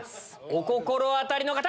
お心当たりの方！